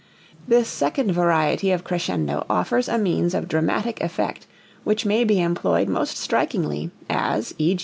This second variety of crescendo offers a means of dramatic effect which may be employed most strikingly, as _e.